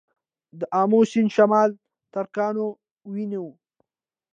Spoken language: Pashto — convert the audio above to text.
د امو سیند شمال ترکانو ونیو